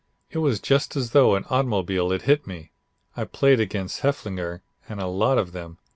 It was just as though an automobile had hit me. I played against Heffelfinger and a lot of them.